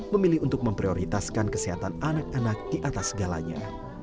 memilih untuk memprioritaskan kesehatan anak anak di atas segalanya